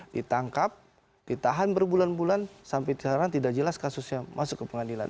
ditangkap ditahan berbulan bulan sampai sekarang tidak jelas kasusnya masuk ke pengadilan